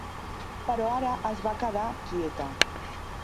Però ara es va quedar quieta.